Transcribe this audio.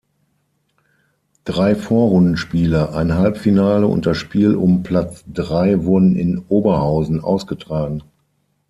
Drei Vorrundenspiele, ein Halbfinale und das Spiel um Platz drei wurden in Oberhausen ausgetragen.